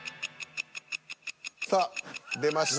さあ出ました。